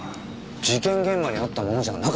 事件現場にあったものじゃない。